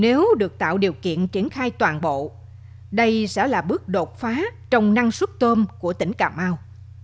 nếu được tạo điều kiện triển khai toàn bộ đây sẽ là bước đột phá trong năng suất tôm của tỉnh cà mau